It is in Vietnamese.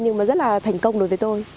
nhưng mà rất là thành công đối với tôi